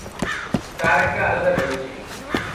তার একটা আলাদা রুম ছিল।